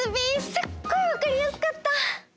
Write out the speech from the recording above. すっごいわかりやすかった！